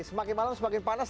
semakin malam semakin panas